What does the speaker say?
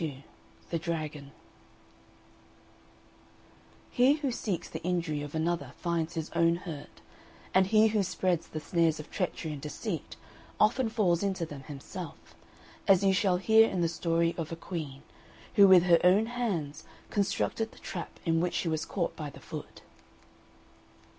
XXII THE DRAGON He who seeks the injury of another finds his own hurt; and he who spreads the snares of treachery and deceit often falls into them himself; as you shall hear in the story of a queen, who with her own hands constructed the trap in which she was caught by the foot.